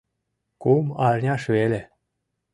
Кум арняш веле.